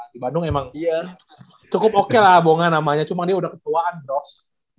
di bandung emang cukup oke lah bunga namanya cuma dia udah ketuaan dok